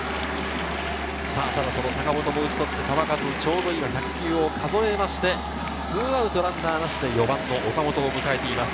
坂本も打ち取って、球数、ちょうど今１００球を数えて、２アウトランナーなしで４番・岡本を迎えています。